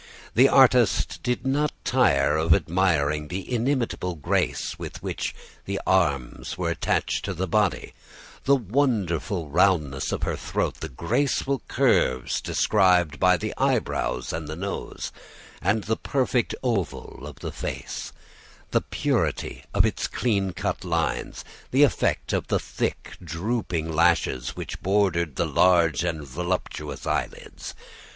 The artist did not tire of admiring the inimitable grace with which the arms were attached to the body, the wonderful roundness of the throat, the graceful curves described by the eyebrows and the nose, and the perfect oval of the face, the purity of its clean cut lines, and the effect of the thick, drooping lashes which bordered the large and voluptuous eyelids.